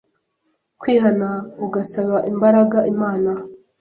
Kwihana ugasaba imbaraga Imana.